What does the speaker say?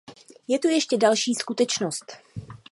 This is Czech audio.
Je tu ještě další skutečnost.